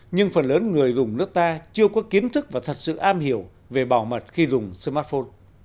nhưng phần lớn người dùng nước ta chưa có kiến thức và thật sự am hiểu về bảo mật khi dùng smartphone